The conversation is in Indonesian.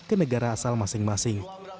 ke negara asal masing masing